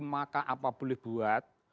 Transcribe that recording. maka apa boleh buat